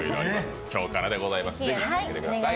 今日からでございます。